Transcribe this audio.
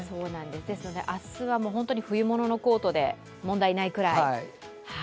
ですので、明日は冬物のコートで問題ないくらい。